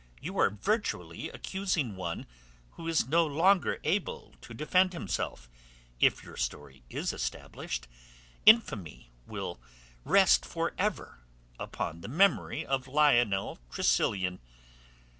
You are virtually accusing one who is no longer able to defend himself; if your story is established, infamy will rest for ever upon the memory of Lionel Tressilian.